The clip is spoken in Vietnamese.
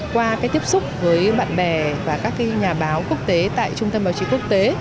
qua cái tiếp xúc với bạn bè và các nhà báo quốc tế tại trung tâm báo chí quốc tế